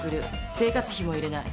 生活費も入れない。